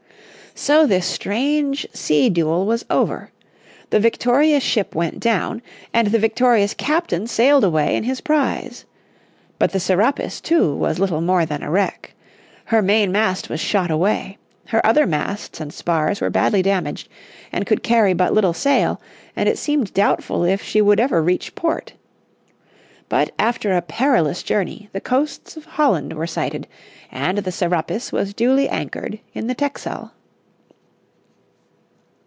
So this strange sea duel was over. The victorious ship went down, and the victorious captain sailed away in his prize. But the Serapis, too, was little more than a wreck. Her main mast was shot away. Her other masts and spars were badly damaged, and could carry but little sail, and it seemed doubtful if she would ever reach port. But, after a perilous journey, the coasts of Holland were sighted, and the Serapis was duly anchored in the Texel.